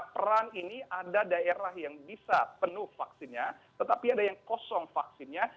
peran ini ada daerah yang bisa penuh vaksinnya tetapi ada yang kosong vaksinnya